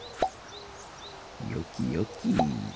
よきよき。